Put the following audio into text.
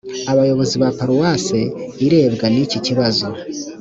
abayobozi ba paruwase irebwa n’iki kibazo